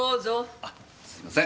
あっすいません。